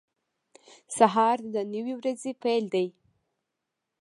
• سهار د نوې ورځې پیل دی.